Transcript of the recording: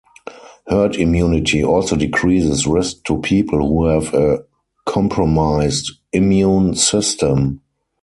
Herd immunity also decreases risk to people who have a compromised immune system.